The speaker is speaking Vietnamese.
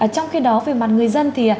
trong khi đó về mặt người dân thì